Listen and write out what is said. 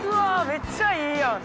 めっちゃいいやん